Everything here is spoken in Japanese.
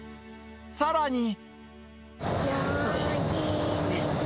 さらに。